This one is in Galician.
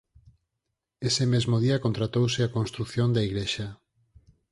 Ese mesmo día contratouse a construción da igrexa.